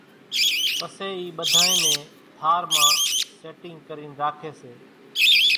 پسي اِي ٻڌانئين نين ٿار مان سيٽيگ ڪرين راکي سي۔